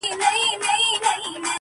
پرېمانۍ ته غویی تللی په حیرت وو -